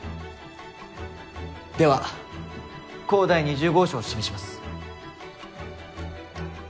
では甲第２０号証を示します。